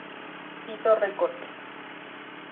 Piso Records.